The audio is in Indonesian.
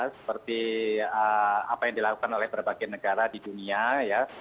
seperti apa yang dilakukan oleh berbagai negara di dunia ya